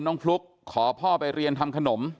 ฟลุ๊กขอพ่อไปเรียนทำขนม